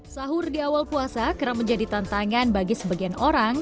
sahur di awal puasa kerap menjadi tantangan bagi sebagian orang